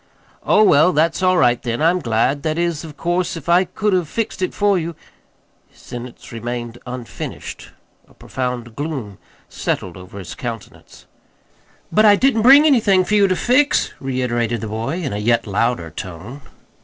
"Oh, well, that's all right, then. I'm glad. That is, of course, if I could have fixed it for you His sentence remained unfinished. A profound gloom settled over his countenance. "But I didn't bring anything for you to fix," reiterated the boy, in a yet louder tone.